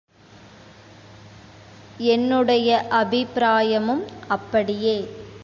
என்னுடைய அபிப்பிராய மும் அப்படியே.